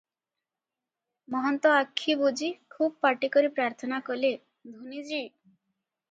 ମହନ୍ତ ଆଖି ବୁଜି ଖୁବ୍ ପାଟି କରି ପ୍ରାର୍ଥନା କଲେ, "ଧୂନି ଜୀ!